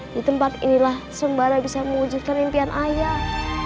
di tempat inilah sembara bisa mewujudkan impian ayah